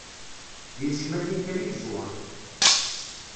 Di tecmatin kan i yeẓwer.